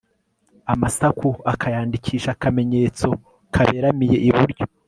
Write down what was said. amasaku akayandikisha akamenyetso kaberamiye iburyo